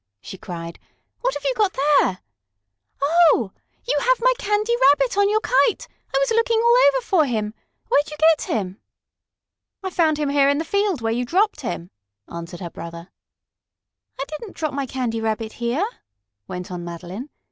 she cried, "what have you there? Oh, you have my Candy Rabbit on your kite! I was looking all over for him. Where'd you get him?" "I found him here in the field where you dropped him," answered her brother. "I didn't drop my Candy Rabbit here," went on Madeline.